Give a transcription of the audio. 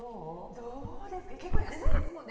どうですか結構安いですもんね